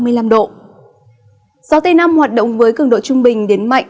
gió tây nam hoạt động với cường độ trung bình đến mạnh